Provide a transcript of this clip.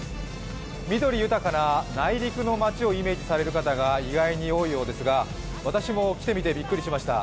緑豊かな内陸の町をイメージする方が意外い多いようですが私も来てみてびっくりしました。